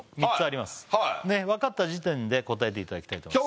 わかった時点で答えていただきたいと思います